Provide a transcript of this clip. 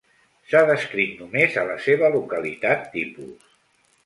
S'ha descrit només a la seva localitat tipus.